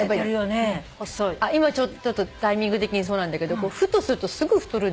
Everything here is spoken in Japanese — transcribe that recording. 今タイミング的にそうなんだけどふとするとすぐ太るんです。